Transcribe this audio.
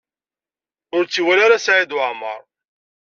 Ur tt-iwala ara Saɛid Waɛmaṛ.